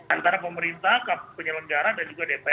antara pemerintah penyelenggara dan pemerintah